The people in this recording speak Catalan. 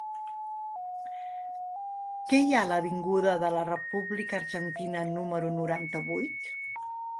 Què hi ha a l'avinguda de la República Argentina número noranta-vuit?